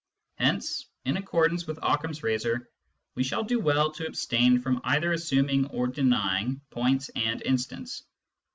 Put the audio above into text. Hence, in accordance with Occam's razor, we shall do well to abstain from either assuming or denying points and instants.